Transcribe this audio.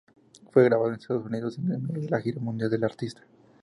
Fue grabado en Estados Unidos en medio de la gira mundial de la artista.